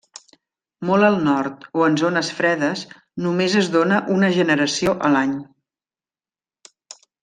Molt al nord o en zones fredes només es dóna una generació a l'any.